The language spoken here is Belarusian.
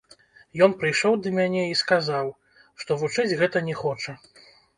Ён прыйшоў ды мяне і сказаў, што вучыць гэта не хоча.